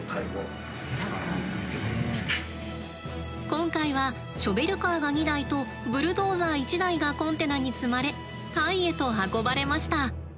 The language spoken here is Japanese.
今回はショベルカーが２台とブルドーザー１台がコンテナに積まれタイへと運ばれました。